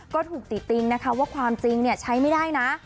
ก็ถูกติดติติงนะคะว่าความจริงใช้ไม่ได้นะ